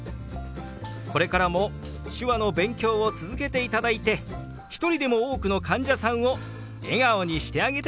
これからも手話の勉強を続けていただいて一人でも多くの患者さんを笑顔にしてあげてくださいね。